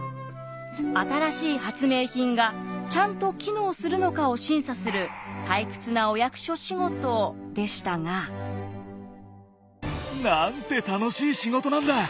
新しい発明品がちゃんと機能するのかを審査する退屈なお役所仕事でしたが。なんて楽しい仕事なんだ！